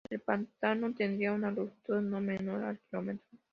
El pantano tendrá una longitud no menor al kilómetro.